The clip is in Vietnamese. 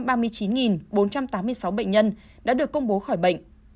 trong đó có chín hai trăm ba mươi chín bốn trăm tám mươi sáu bệnh nhân đã được công bố khỏi bệnh